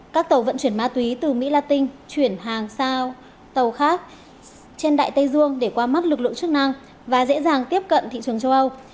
các tàu vận chuyển ma túy từ mỹ latin chuyển hàng sang tàu khác trên đại tây dương để qua mắt lực lượng chức năng và dễ dàng tiếp cận thị trường châu âu